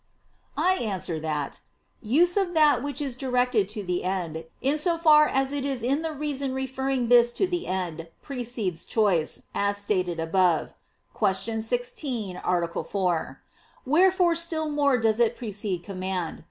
I answer that, use of that which is directed to the end, in so far as it is in the reason referring this to the end, precedes choice, as stated above (Q. 16, A. 4). Wherefore still more does it precede command.